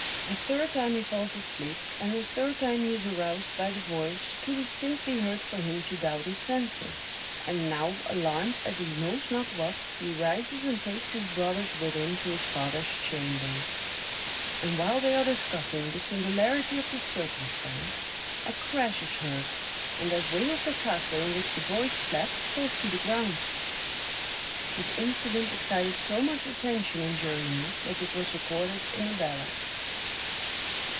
A third time he falls asleep, and a third time he is aroused by the voice, too distinctly heard for him to doubt his senses; and now, alarmed at he knows not what, he rises and takes his brothers with him to his father's chamber; and while they are discussing the singularity of the circumstance, a crash is heard, and that wing of the castle in which the boys slept falls to the ground. This incident excited so much attention in Germany that it was recorded in a ballad.